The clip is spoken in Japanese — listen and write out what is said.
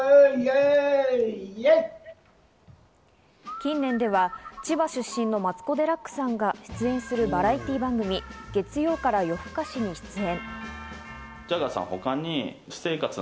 近年では千葉出身のマツコ・デラックスさんが出演するバラエティー番組『月曜から夜ふかし』に出演。